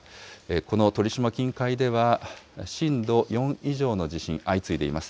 この鳥島近海では、震度４以上の地震、相次いでいます。